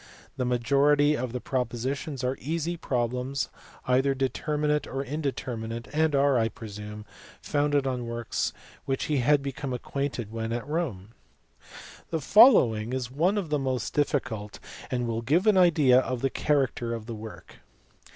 The majority of the propositions are easy problems, either determinate or indeterminate, and are, I presume, founded on works with which he had become acquainted when at Rome. The follow ing is one of the most difficult, and will give an idea of the character of the work.